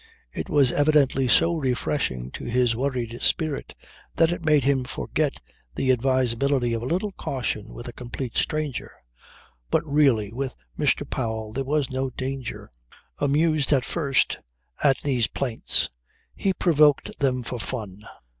It was evidently so refreshing to his worried spirit that it made him forget the advisability of a little caution with a complete stranger. But really with Mr. Powell there was no danger. Amused, at first, at these plaints, he provoked them for fun.